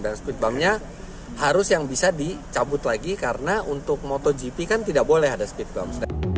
dan speed bump nya harus yang bisa dicabut lagi karena untuk motogp kan tidak boleh ada speed bump